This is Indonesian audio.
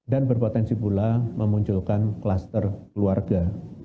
dan berpotensi pula memunculkan klaster keluarga